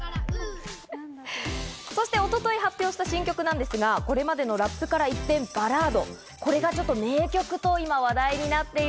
そして一昨日発表した新曲なんですが、これまでのラップから一転、バラード。